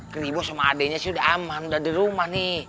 keribo sama adiknya sih udah aman udah di rumah nih